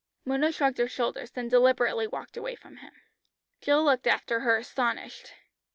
Mona shrugged her shoulders, then deliberately walked away from him. Jill looked after her astonished.